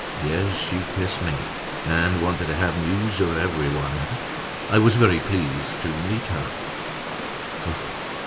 Yes, she kissed me, and wanted to have news of everyone—I was very pleased to meet her."